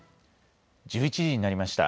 １１時になりました。